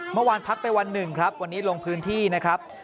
เมื่อวานพักไปวันหนึ่งครับวันนี้ลงพื้นที่นะครับ